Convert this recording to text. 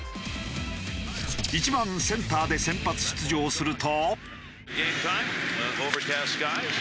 １番センターで先発出場すると。